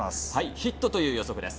ヒットという予測です。